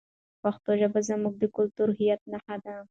پښتو ژبه زموږ د کلتوري هویت نښه ده.